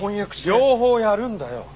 両方やるんだよ。